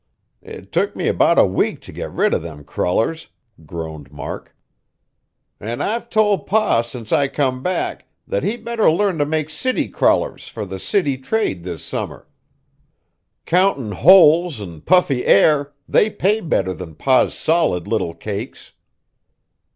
It took me 'bout a week t' get rid of them crullers," groaned Mark; "an' I've told Pa since I come back, that he better learn to make city crullers fur the city trade this summer. Countin' holes an' puffy air, they pay better than Pa's solid little cakes."